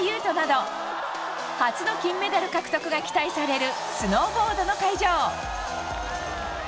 斗など初の金メダル獲得が期待されるスノーボードの会場。